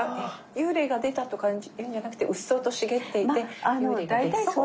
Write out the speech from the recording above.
幽霊が出たとかいうんじゃなくてうっそうと茂っていて幽霊が出そう。